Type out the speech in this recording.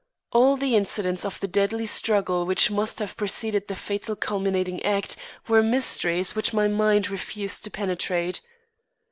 All the incidents of the deadly struggle which must have preceded the fatal culminating act, were mysteries which my mind refused to penetrate.